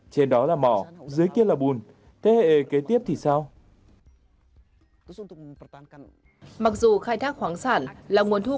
trên đó là mỏ dưới kia là bùn thế hệ kế tiếp thì sau mặc dù khai thác khoáng sản là nguồn thu